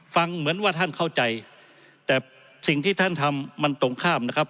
ฟังเหมือนว่าท่านเข้าใจแต่สิ่งที่ท่านทำมันตรงข้ามนะครับ